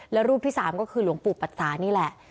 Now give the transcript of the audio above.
และรูปที่สามก็คือลวงปู่บัดสานี้แหละ